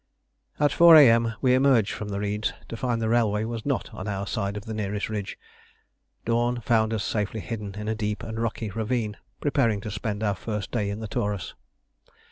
At 4 A.M. we emerged from the reeds to find that the railway was not on our side of the nearest ridge. Dawn found us safely hidden in a deep and rocky ravine, preparing to spend our first day in the Taurus.